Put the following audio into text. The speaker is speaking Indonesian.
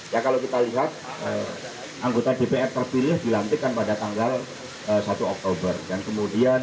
ya kalau kita lihat anggota dpr terpilih dilantikkan pada tanggal satu oktober